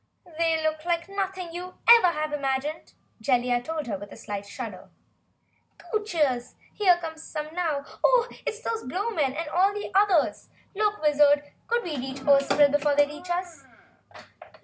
"They look like nothing you ever have imagined!" Jellia told her with a slight shudder. "Goochers! Here come some now! And oh it's those Blowmen and all the others! Look, Wizard! Could we reach the Ozpril before they reach us?"